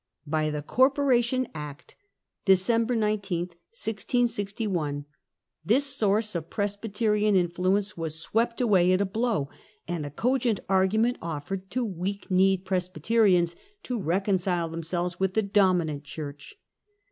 By 19,1661. the Corporation Act (December 19, 1661) this source of Presbyterian influence was swept away at a blow, and a cogent argument offered to weak kneed Pres byterians to reconcile themselves with the dominant Church.